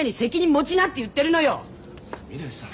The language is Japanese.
すみれさん。